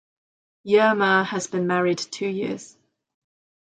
Yerma has been married two years.